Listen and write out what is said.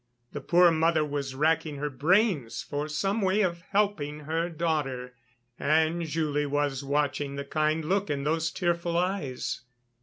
The poor mother was racking her brains for some way of helping her daughter, and Julie was watching the kind look in those tearful eyes.